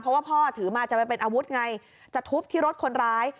เพราะว่าพ่อถือมาจะไปเป็นอาวุธไงจะทุบที่รถคนร้าย